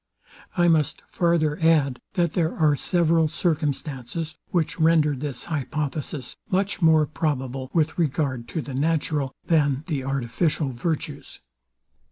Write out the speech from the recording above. I must farther add, that there are several circumstances, which render this hypothesis much more probable with regard to the natural than the artificial virtues.